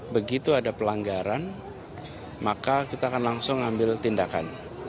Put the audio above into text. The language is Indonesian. begitu ada pelanggaran maka kita akan langsung ambil tindakan